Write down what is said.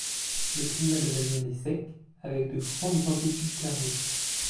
Le climat de la zone est sec, avec de grandes amplitudes thermiques.